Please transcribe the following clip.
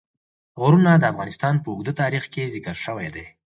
غرونه د افغانستان په اوږده تاریخ کې ذکر شوی دی.